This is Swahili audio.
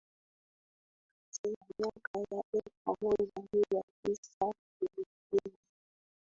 kati ya miaka ya elfu moja mia tisa thelathini